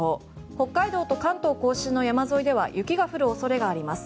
北海道と関東・甲信の山沿いでは雪が降る恐れがあります。